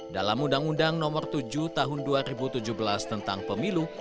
dalam undang undang nomor tujuh tahun dua ribu tujuh belas tentang pemilu